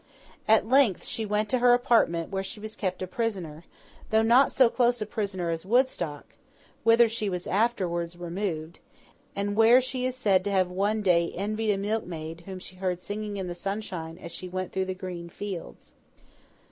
At length she went to her apartment, where she was kept a prisoner, though not so close a prisoner as at Woodstock, whither she was afterwards removed, and where she is said to have one day envied a milkmaid whom she heard singing in the sunshine as she went through the green fields.